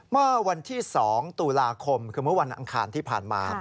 เมื่อวันที่๒ตุลาคมคือเมื่อวันอังคารที่ผ่านมา